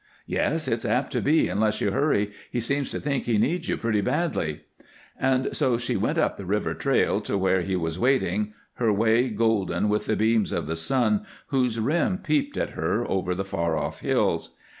"Yes, it's apt to be unless you hurry. He seems to think he needs you pretty badly." And so she went up the river trail to where he was waiting, her way golden with the beams of the sun whose rim peeped at her over the far off hills.